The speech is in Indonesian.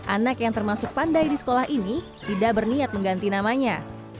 anak yang termasuk pandai di sekolah ini tidak berniat mengganti namanya